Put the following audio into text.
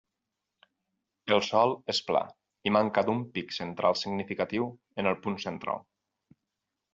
El sòl és pla i manca d'un pic central significatiu en el punt central.